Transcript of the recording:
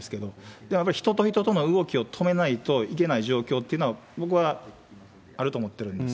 でもやっぱり人と人との動きを止めないといけない状況っていうのは、僕はあると思ってるんです。